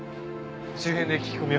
周辺で聞き込みを。